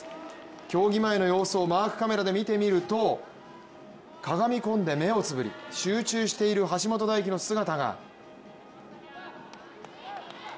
競技前の様子をマークカメラで見てみるとかがみ込んで目をつぶり集中している、橋本大輝の姿が。